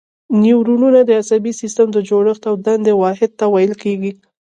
نیورونونه د عصبي سیستم د جوړښت او دندې واحد ته ویل کېږي.